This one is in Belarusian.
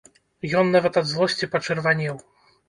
Ён нават ад злосці пачырванеў.